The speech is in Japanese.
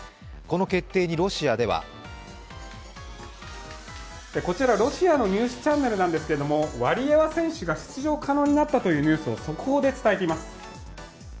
この決定にロシアではこちらロシアのニュースチャンネルなんですけれども、ワリエワ選手が出場可能になったというニュースを速報で伝えています。